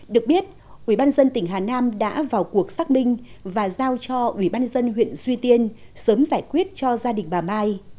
được biết ubnd tỉnh hà nam đã vào cuộc xác minh và giao cho ubnd huyện duy tiên sớm giải quyết cho gia đình bà mai